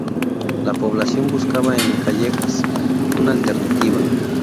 La población" buscaba "en Callejas una alternativa.